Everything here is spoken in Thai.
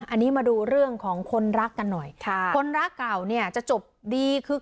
อันนี้มาดูเรื่องของคนรักกันหน่อยค่ะคนรักเก่าเนี่ยจะจบดีคือ